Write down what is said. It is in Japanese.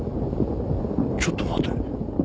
ちょっと待て。